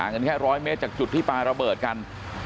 กันแค่๑๐๐เมตรจากจุดที่ปลาระเบิดกัน